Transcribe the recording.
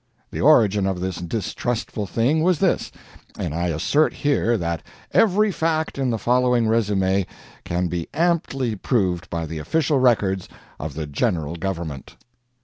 The origin of this distressful thing was this and I assert here that every fact in the following résumé can be amply proved by the official records of the General Government.